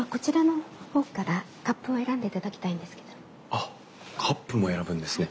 あっカップも選ぶんですね。